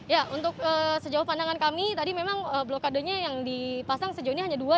ya untuk sejauh pandangan kami tadi memang blokadenya yang dipasang sejauh ini hanya dua